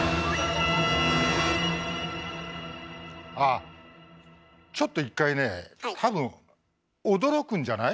ああちょっと一回ね多分驚くんじゃない？